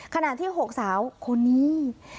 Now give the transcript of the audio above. ขณะที่๖สาวคนนี้